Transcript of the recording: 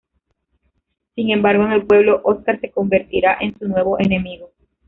Sin embargo, en el pueblo Óscar se convertirá en su nuevo enemigo.